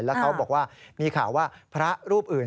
แล้วเขาบอกว่ามีข่าวว่าพระรูปอื่น